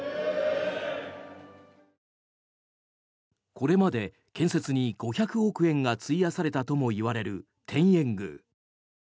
これまで建設に５００億円が費やされたともいわれる天苑宮。